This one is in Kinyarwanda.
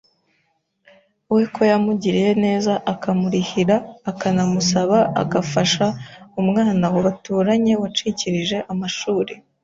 we ko yamugiriye neza akamurihira akanamusaba agafasha umwana baturanye wacikirije amashuri